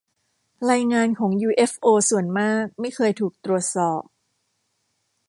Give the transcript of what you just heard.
รายงานของ ยูเอฟโอส่วนมากไม่เคยถูกตรวจสอบ